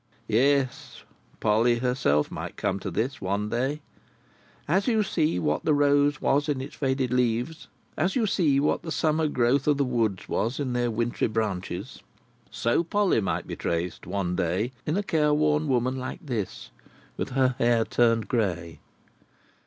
Yes. Polly herself might come to this, one day. As you see what the rose was, in its faded leaves; as you see what the summer growth of the woods was, in their wintry branches; so Polly might be traced, one day, in a care worn woman like this, with her hair turned grey.